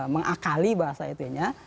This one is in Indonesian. mengakali bahasa itunya